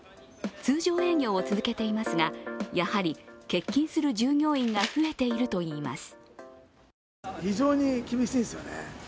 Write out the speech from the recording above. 通常営業を続けていますがやはり欠勤する従業員が増えているといいます。